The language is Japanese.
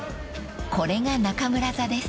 ［これが中村座です］